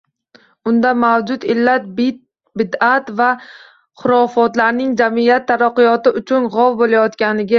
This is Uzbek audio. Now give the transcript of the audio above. Unda mavjud illat, bid`at va xurofotlarning jamiyat taraqqiyoti uchun g'ov bo'layotganligi